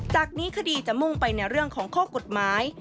จากนี้คดีจะมุ่งไปในเรื่องของข้อกฎหมาย